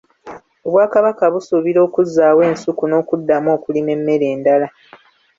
Obwakabaka busuubira okuzzaawo ensuku n’okuddamu okulima emmere endala.